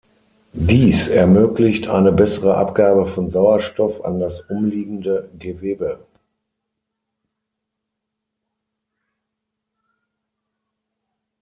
Dies ermöglicht eine bessere Abgabe von Sauerstoff an das umliegende Gewebe.